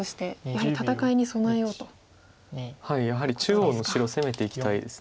はいやはり中央の白攻めていきたいです。